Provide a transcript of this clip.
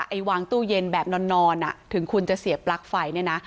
ไอ้วางตู้เย็นแบบนอนถึงคุณจะเสียปลั๊กไฟเนี่ยนะ